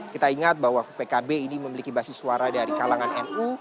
kita ingat bahwa pkb ini memiliki basis suara dari kalangan nu